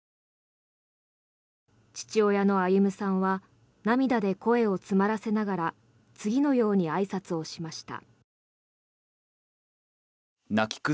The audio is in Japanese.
父親の歩さんは涙で声を詰まらせながら次のようにあいさつをしました。